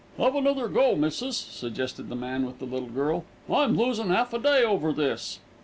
"'Ave another go, missis," suggested the man with the little girl. "I'm losin' 'alf a day over this."